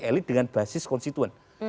elit dengan basis konstituen